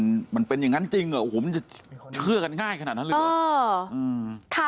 เราก็ไม่รู้ว่ามันเป็นอย่างนั้นจริงมันจะเชื่อกันง่ายขนาดนั้นหรือเปล่า